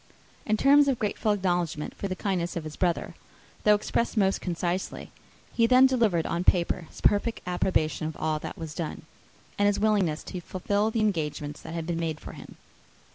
In terms of grateful acknowledgment for the kindness of his brother, though expressed most concisely, he then delivered on paper his perfect approbation of all that was done, and his willingness to fulfil the engagements that had been made for him.